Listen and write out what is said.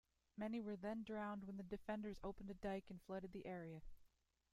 Many were then drowned when the defenders opened a dike and flooded the area.